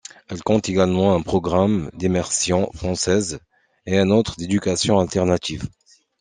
Elle compte également un programme d'immersion française et un autre d'éducation alternative.